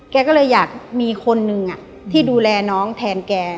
แกก็เลยอยากมีคนหนึ่งที่ดูแลน้องแทนแก